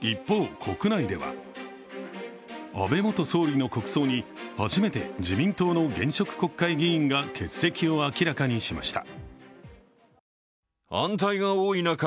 一方、国内では安倍元総理の国葬に初めて自民党の現職国会議員が欠席を明らかにしました。